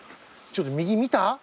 ちょっと右見た？